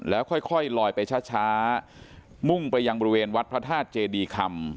แล้วค่อยลอยไปช้ามุ่งไปยังบริเวณวัดพระธาตุเจดีคำ